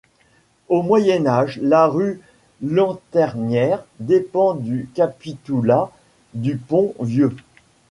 Au Moyen Âge, la rue Lanternières dépend du capitoulat du Pont-Vieux.